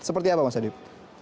seperti apa mas adib